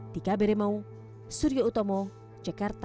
tika beremo surya utomo jakarta